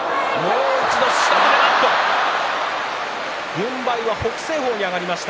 軍配は北青鵬に上がりました。